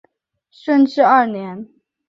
顺治二年。